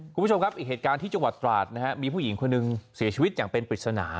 คุณผู้ชมครับอีกเหตุการณ์ที่จังหวัดตราดนะฮะมีผู้หญิงคนหนึ่งเสียชีวิตอย่างเป็นปริศนา